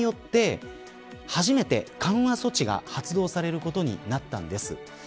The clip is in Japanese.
これによって初めて、緩和措置が発動されることになったんです。